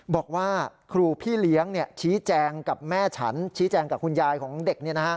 บอกว่าครูพี่เลี้ยงชี้แจงกับแม่ฉันชี้แจงกับคุณยายของเด็ก